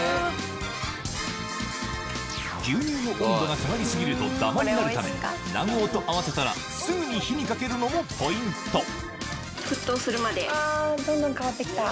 牛乳の温度が下がり過ぎるとダマになるため卵黄と合わせたらすぐに火にかけるのもポイントあどんどん変わって来た。